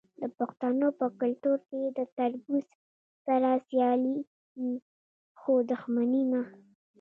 د پښتنو په کلتور کې د تربور سره سیالي وي خو دښمني نه.